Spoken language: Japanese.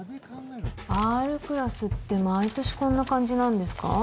Ｒクラスって毎年こんな感じなんですか？